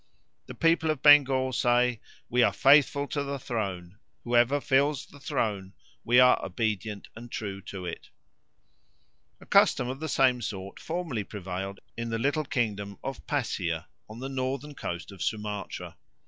The people of Bengal say, 'We are faithful to the throne; whoever fills the throne we are obedient and true to it.'" A custom of the same sort formerly prevailed in the little kingdom of Passier, on the northern coast of Sumatra.